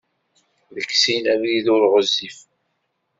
Deg sin abrid ur ɣezzif.